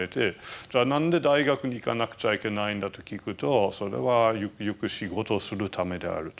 じゃあ何で大学に行かなくちゃいけないんだと聞くと「それはゆくゆく仕事するためである」と。